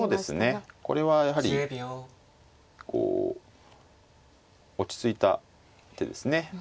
これはやはり落ち着いた手ですね。